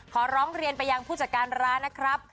ขอร้องเรียนไปยังผู้จัดการร้านนะครับ